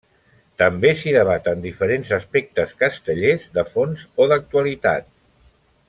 També si debaten diferents aspectes castellers de fons o d'actualitat.